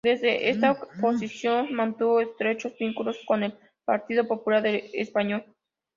Desde esta posición, mantuvo estrechos vínculos con el Partido Popular español.